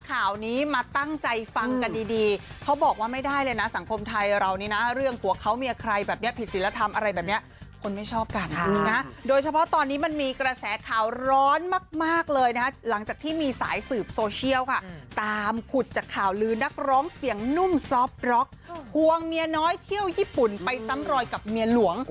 ข่าวนี้มาตั้งใจฟังกันดีดีเขาบอกว่าไม่ได้เลยนะสังคมไทยเรานี่นะเรื่องผัวเขาเมียใครแบบนี้ผิดศิลธรรมอะไรแบบนี้คนไม่ชอบกันนะโดยเฉพาะตอนนี้มันมีกระแสข่าวร้อนมากเลยนะฮะหลังจากที่มีสายสืบโซเชียลค่ะตามขุดจากข่าวลือนักร้องเสียงนุ่มซอฟร็อกควงเมียน้อยเที่ยวญี่ปุ่นไปซ้ำรอยกับเมียหลวง